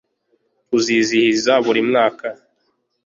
tuzizihiza buri mwaka